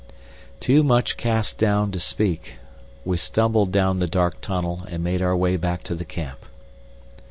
Too much cast down to speak, we stumbled down the dark tunnel and made our way back to the camp.